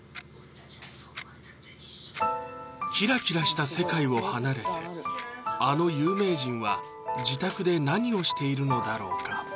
キラキラした世界を離れてあの有名人は自宅で何をしているのだろうか？